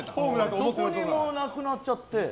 どこにもなくなっちゃって。